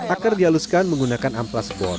akar dialuskan menggunakan amplas bor